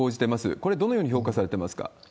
これ、どのように評価されてますか？